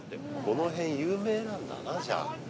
この辺有名なんだなじゃあ。